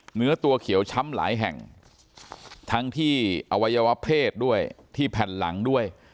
เนื้อตัวเขียวช้ำหลายแห่งทั้งที่อวัยวะเพศด้วยที่แผ่นหลังด้วย